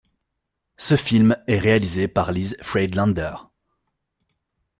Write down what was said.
Ce film est réalisé par Liz Friedlander.